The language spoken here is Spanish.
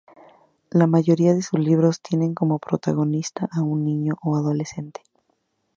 La mayoría de sus libros tienen como protagonista a un niño o adolescente.